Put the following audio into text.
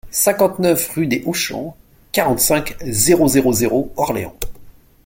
cinquante-neuf rue des Hauts-Champs, quarante-cinq, zéro zéro zéro, Orléans